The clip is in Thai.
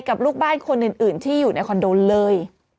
กับลูกบ้านคนอื่นที่อยู่ในคอนโดเลย